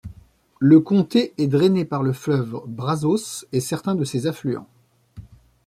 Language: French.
Le comté est drainé par le fleuve Brazos et certains de ses affluents.